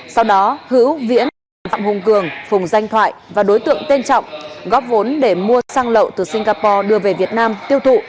sau đó hữu viễn phạm hùng cường phùng danh thoại và đối tượng tên trọng góp vốn để mua xăng lậu từ singapore đưa về việt nam tiêu thụ